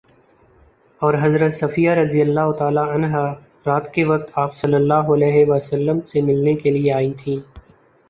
اور حضرت صفیہ رضی اللہ عنہا رات کے وقت آپ صلی اللہ علیہ وسلم سے ملنے کے لیے آئی تھیں